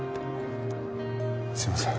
すいません。